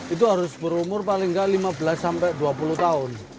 itu harus berumur paling nggak lima belas sampai dua puluh tahun